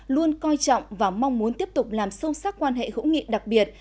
luôn coi trọng và mong muốn tiếp tục làm sâu sắc quan hệ hữu nghị đặc biệt